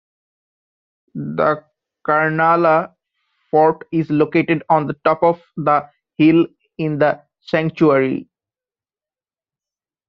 The Karnala fort is located on the top of the hill in the sanctuary.